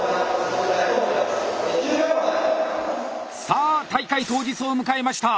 さあ大会当日を迎えました。